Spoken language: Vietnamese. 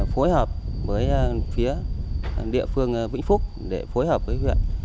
phối hợp với phía địa phương vĩnh phúc để phối hợp với huyện